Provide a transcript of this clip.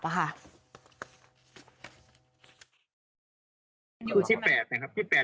คือ๑๘นะครับ